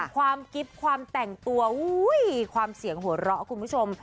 ความกิ๊บความแต่งตัวความเสียงหัวเราะคุณผู้ชม